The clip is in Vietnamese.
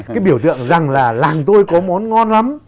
cái biểu tượng rằng là làng tôi có món ngon lắm